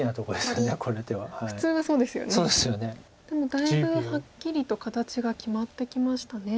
でもだいぶはっきりと形が決まってきましたね。